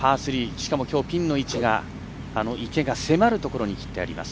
しかも、きょうピンの位置が池が迫るところにきってあります。